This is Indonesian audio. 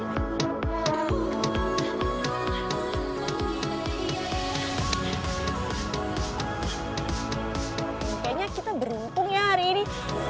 kayaknya kita beruntung ya hari ini